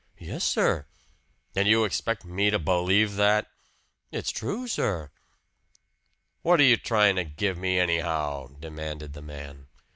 "Yes, sir!" "And you expect me to believe that?" "It's true, sir!" "What're you tryin' to give me, anyhow?" demanded the man.